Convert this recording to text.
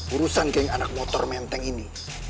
urusan geng anak motor menteng ini